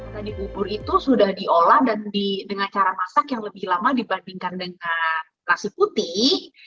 tadi bubur itu sudah diolah dan dengan cara masak yang lebih lama dibandingkan dengan nasi putih